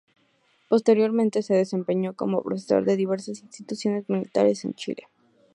Posteriormente se desempeñó como profesor en diversas instituciones militares en Chile.